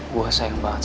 boleh ke masters